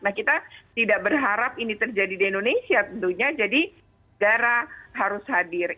nah kita tidak berharap ini terjadi di indonesia tentunya jadi negara harus hadir